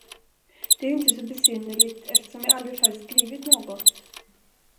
Det är ju inte så besynnerligt, eftersom jag aldrig förr skrivit något.